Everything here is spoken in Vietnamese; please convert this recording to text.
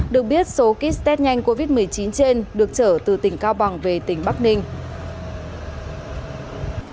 được biết số kích test nhanh covid một mươi chín trên được trở từ tỉnh cao bằng về tỉnh bắc ninh